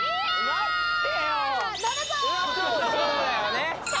待ってよ！